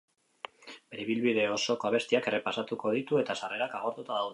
Bere ibilbide osoko abestiak errepasatuko ditu eta sarrerak agortuta daude.